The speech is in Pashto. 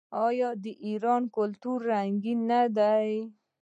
آیا د ایران کلتور رنګین نه دی؟